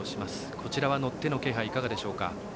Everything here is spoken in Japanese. こちらは乗っての気配いかがでしょうか？